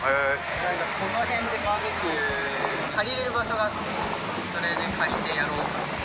この辺でバーベキュー、借りれる場所があって、それで借りてやろうって。